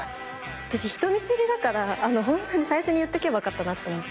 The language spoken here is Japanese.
私人見知りだからホントに最初に言っとけばよかったなと思って。